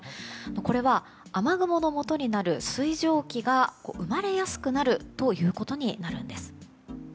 これは、雨雲のもとになる水蒸気が生まれやすくなるということになるんです。